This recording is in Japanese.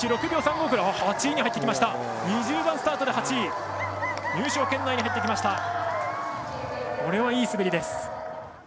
６秒３５遅れで８位に入ってきました。